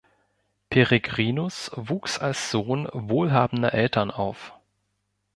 Peregrinus wuchs als Sohn wohlhabender Eltern auf.